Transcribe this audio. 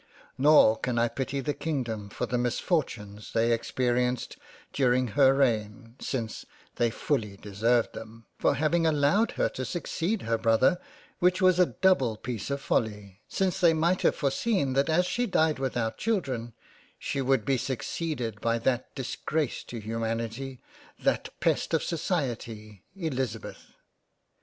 Nor can I pity the Kingdom for the misfortunes they experienced during her Reign, since they fully deserved them, for having allowed her to succeed her Brother — which was a double peice of folly, since they might have foreseen that as she died without child ren, she would be succeeded by that disgrace to humanity, that pest of society, Elizabeth.